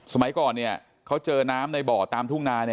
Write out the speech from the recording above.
สมัยก่อนเขาเจอน้ำในบ่อตามทุ่งนา